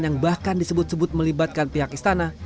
yang bahkan disebut sebut melibatkan pihak istana